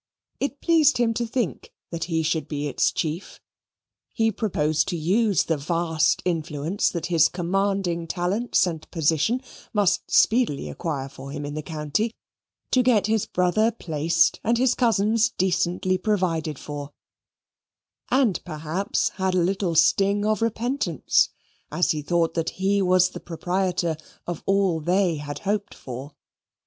It pleased him to think that he should be its chief. He proposed to use the vast influence that his commanding talents and position must speedily acquire for him in the county to get his brother placed and his cousins decently provided for, and perhaps had a little sting of repentance as he thought that he was the proprietor of all that they had hoped for.